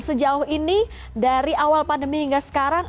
sejauh ini dari awal pandemi hingga sekarang